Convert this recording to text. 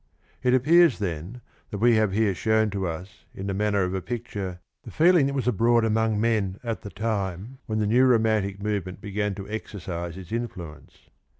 It appears, then, that we have here shown to us in the manner of a picture the feeling that was abroad among men at the time when the new romantic movement began to exercise its influence.